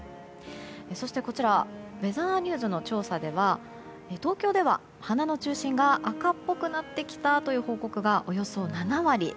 そしてウェザーニューズの調査では東京では花の中心が赤っぽくなってきたという報告がおよそ７割。